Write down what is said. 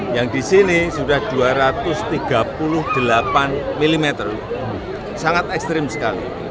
yang di sini sudah dua ratus tiga puluh delapan mm sangat ekstrim sekali